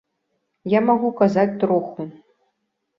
Я магу казаць троху.